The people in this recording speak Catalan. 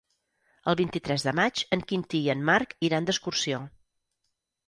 El vint-i-tres de maig en Quintí i en Marc iran d'excursió.